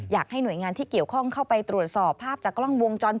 อยากให้หน่วยงานที่เกี่ยวข้องเข้าไปตรวจสอบภาพจากกล้องวงจรป